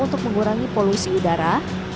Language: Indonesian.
untuk mengurangi polusi udara